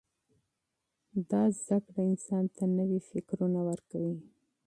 دا علم انسان ته نوي فکرونه ورکوي.